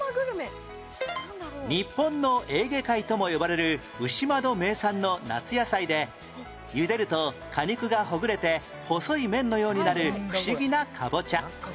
日本のエーゲ海とも呼ばれる牛窓名産の夏野菜でゆでると果肉がほぐれて細い麺のようになる不思議なかぼちゃ